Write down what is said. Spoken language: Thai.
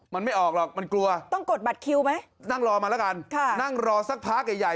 มันไม่ออกหรอกมันกลัวนั่งรอมันละกันนั่งรอสักพักใหญ่